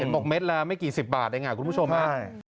เป็น๖เมตรแล้วไม่กี่๑๐บาทคุณผู้ชมมาก